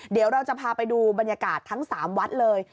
เดี๋ยวเราจะพาไปดูบรรยากาศทั้ง๓วัดเลย